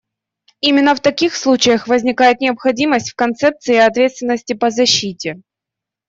Именно в таких случаях возникает необходимость в концепции ответственности по защите.